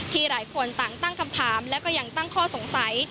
หลายคนต่างตั้งคำถามและก็ยังตั้งข้อสงสัย